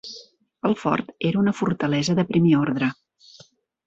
El fort era una fortalesa de primer ordre.